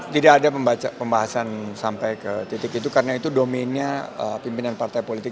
tidak ada pembahasan sampai ke titik itu karena itu domainnya pimpinan partai politik